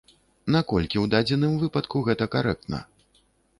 Наколькі ў дадзеным выпадку гэта карэктна?